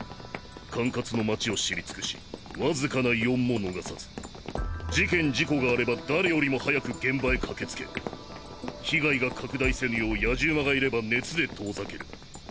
管轄の街を知りつくしわずかな異音も逃さず事件事故があれば誰よりも速く現場へ駆けつけ被害が拡大せぬよう野次馬がいれば熱で遠ざける。